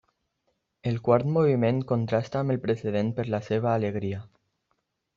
El quart moviment contrasta amb el precedent per la seva alegria.